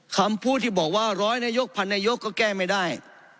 คำพูดที่บอกว่าร้อยนายกพันนายกก็แก้ไม่ได้